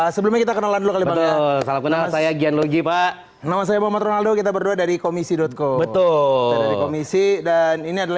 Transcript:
sebelumnya saya gyanulgi pak nama saya kita berdua dari komisi com komisi dan ini adalah